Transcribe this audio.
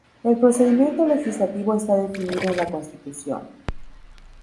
El procedimiento legislativo está definido en la Constitución.